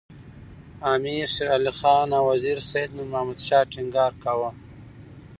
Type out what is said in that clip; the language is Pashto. امیر شېر علي خان او وزیر سید نور محمد شاه ټینګار کاوه.